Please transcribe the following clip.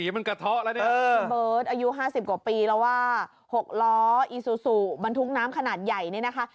เบิร์ตอายุ๕๐กว่าปีแล้วว่า๖ล้ออีซูซูบรรทุกน้ำขนาดใหญ่เนี่ยนะคะ